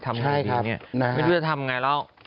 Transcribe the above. อย่างนี้ไม่รู้จะทำไงแล้ว